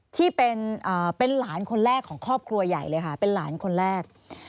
ที่เป็นหลานคนแรกของครอบครัวใหญ่เลยค่ะเป็นหลานคนแรก